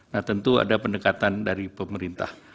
nah tentu ada pendekatan dari pemerintah